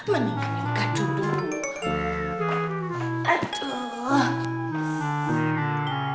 mendingan ikat duduk